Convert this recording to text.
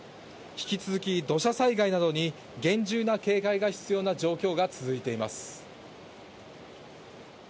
引き続き土砂災害などに厳重な警戒が必要な状況が続いています。